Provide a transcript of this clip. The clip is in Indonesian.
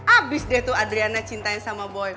abis deh tuh adriana cintanya sama boy